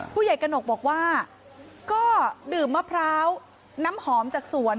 กระหนกบอกว่าก็ดื่มมะพร้าวน้ำหอมจากสวน